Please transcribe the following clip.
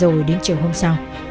rồi đến chiều hôm sau